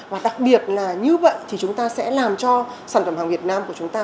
và đặc biệt là như vậy thì chúng ta sẽ làm cho sản phẩm hàng việt nam của chúng ta